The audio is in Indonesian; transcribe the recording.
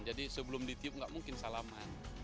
jadi sebelum ditiup tidak mungkin salaman